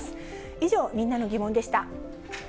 以上、みんなのギモンでした。